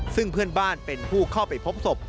ซึ่งเพื่อนบ้านเป็นผู้เข้าไปพบศพ